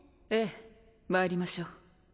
えぇまいりましょう。